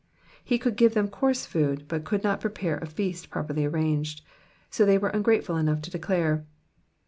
He could give them coarse food, but could not prepare a feast properly arranged, so they were ungrateful enough to declare.